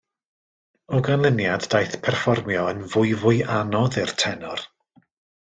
O ganlyniad, daeth perfformio yn fwyfwy anodd i'r tenor.